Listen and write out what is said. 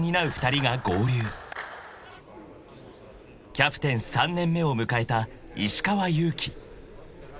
［キャプテン３年目を迎えた石川祐希］